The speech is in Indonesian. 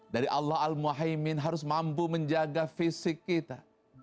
dari allah al muhaymin harus mampu menjaga fisik kita